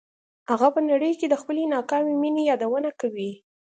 هغه په نړۍ کې د خپلې ناکامې مینې یادونه کوي